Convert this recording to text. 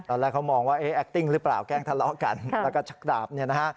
ตอนแรกเขามองว่าแอคติ้งหรือเปล่าแกล้งทะเลาะกันแล้วก็ชักดาบเนี่ยนะฮะ